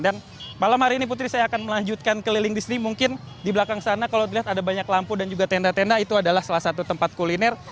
dan malam hari ini putri saya akan melanjutkan keliling di sini mungkin di belakang sana kalau dilihat ada banyak lampu dan juga tenda tenda itu adalah salah satu tempat kuliner